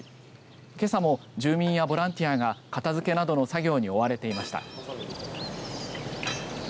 けさも住民やボランティアが片づけなどの作業に追われていました。